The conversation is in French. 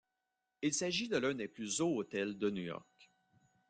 Il s'agit de l'un des plus hauts hôtels de New York.